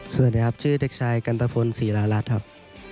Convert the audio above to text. สวัสดีครับชื่อเด็กชายกันตะพลศรีรารัฐครับ